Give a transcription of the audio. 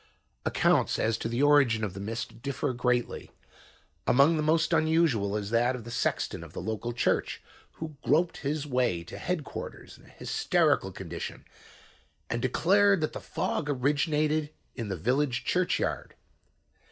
"Accounts as to the origin of the mist differ greatly. Among the most unusual is that of the sexton of the local church, who groped his way to headquarters in a hysterical condition and declared that the fog originated in the village churchyard.